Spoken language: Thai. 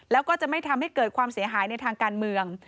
แล้วก็จะไม่ทำให้เกิดความเสียหายในทางการเมือง